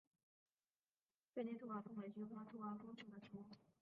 边地兔儿风为菊科兔儿风属的植物。